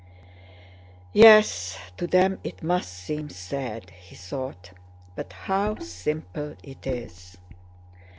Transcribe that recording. "Yes, to them it must seem sad!" he thought. "But how simple it is.